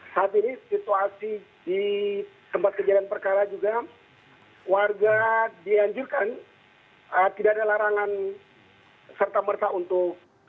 saat ini situasi di tempat kejadian perkara juga warga dianjurkan tidak ada larangan serta merta untuk